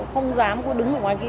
không dám cô đứng ở ngoài kia